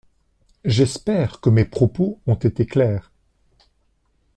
J’espère que mes propos ont été clairs.